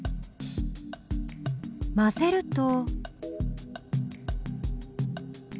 混ぜると。